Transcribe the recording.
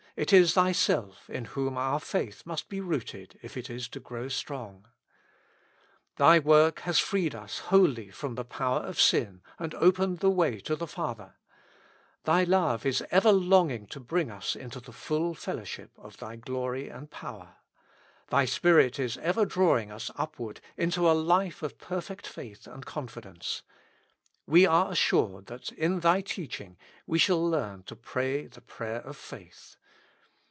it is Thyself in whom our faith must be rooted if it is to grow strong. Thy work has freed us wholly from the power of sin, and opened the way to the Father ; Thy Love is ever longing to bring us into the full fellowship of Thy glory and power; Thy Spirit is ever drawing us up ward into a life of perfect faith and confidence ; we are assured that in Thy teaching we shall learn to pray the prayer of faith.